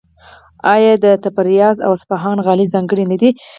آیا د تبریز او اصفهان غالۍ ځانګړې نه دي؟